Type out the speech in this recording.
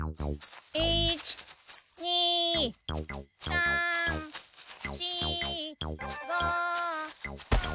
１２３４５６。